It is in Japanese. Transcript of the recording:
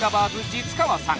實川さん